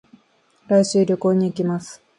来週、旅行に行きます。